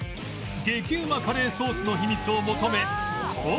激うまカレーソースの秘密を求め工場へ